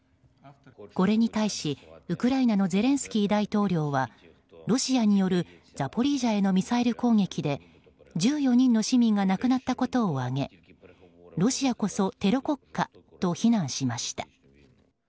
これに対し、ウクライナのゼレンスキー大統領はロシアによるザポリージャへのミサイル攻撃で１４人の市民が亡くなったことを挙げロシアこそテロ国家と非難しました。